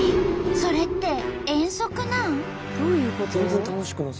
それって遠足なん？